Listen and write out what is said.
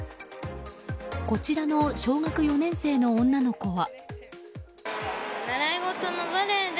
こちらの小学４年生の女の子は。